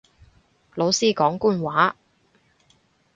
老師講官話